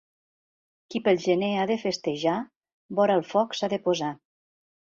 Qui pel gener ha de festejar, vora el foc s'ha de posar.